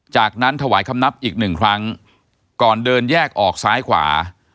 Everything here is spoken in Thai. จากนั้นถวายคำนับอีกหนึ่งครั้งก่อนเดินแยกออกซ้ายขวา